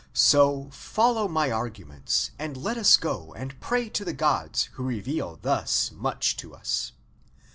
So follow my arguments, and let us go and pray to the gods who reveal thus much to us."